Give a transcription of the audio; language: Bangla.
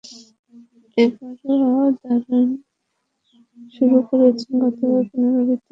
এবারও দারুণ শুরু করে গতবারের পুনরাবৃত্তির ইঙ্গিত দিয়ে রাখলেন বাঁহাতি ওপেনার।